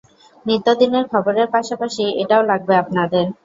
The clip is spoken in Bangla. নিত্যদিনের খবরের পাশাপশি এটাও লাগবে আপনাদের।